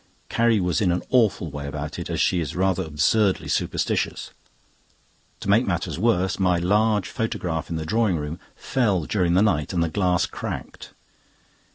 Carrie was in an awful way about it, as she is rather absurdly superstitious. To make matters worse, my large photograph in the drawing room fell during the night, and the glass cracked.